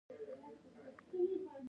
ایا ستاسو پولیس به بیدار وي؟